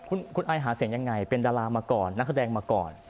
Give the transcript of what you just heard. คุณไอหาเสียงยังไงเป็นดารามาก่อนนักแสดงมาก่อน